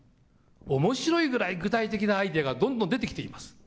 おもしろいぐらい具体的なアイデアがどんどん出てきています。